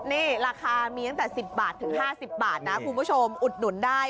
นี่ราคามีตั้งแต่๑๐บาทถึง๕๐บาทนะคุณผู้ชมอุดหนุนได้